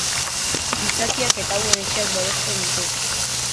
Gizakiak eta hauen etxeak babesten ditu.